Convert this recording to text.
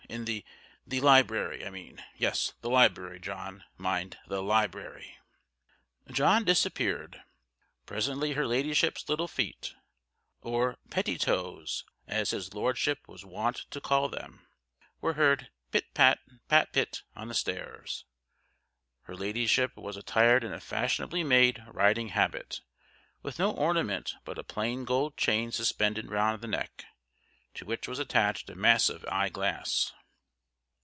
in the the library, I mean. Yes, the library, John mind the library." John disappeared. Presently her Ladyship's little feet or pettitoes, as his Lordship was wont to call them were heard pit pat pat pit on the stairs. Her Ladyship was attired in a fashionably made riding habit, with no ornament but a plain gold chain suspended round the neck, to which was attached a massive eye glass.